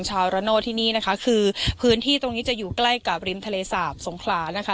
ระโนธที่นี่นะคะคือพื้นที่ตรงนี้จะอยู่ใกล้กับริมทะเลสาบสงขลานะคะ